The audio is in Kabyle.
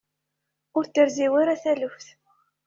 Ur t-terzi ara taluft.